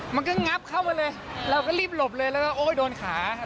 มันก็งับเข้ามาเลยเราก็รีบหลบเลยโอ้ยโดนขา